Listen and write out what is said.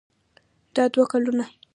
دا دوه ګلونه دي.